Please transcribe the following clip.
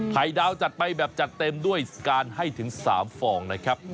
ไข่ดาวจัดไปแบบจัดเต็มด้วยการให้ถึง๓ฟองนะครับ